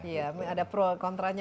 iya ada pro kontra nya